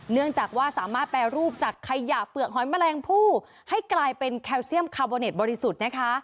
เนื่องจากว่าสามารถแปรรูปจากขยะเปลือกหอยแมลงผู้ให้กลายเป็นแคลเซียมคาร์โบเน็ตบริสุทธิ์นะคะ